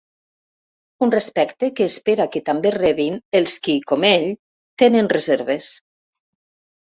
Un respecte que espera que també rebin els qui, com ell, tenen reserves.